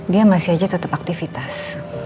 dia masih aja tetap aktivitas